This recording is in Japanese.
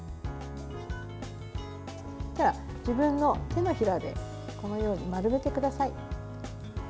そうしたら、自分の手のひらでこのように丸めてください。